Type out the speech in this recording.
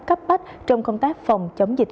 cấp bách trong công tác phòng chống dịch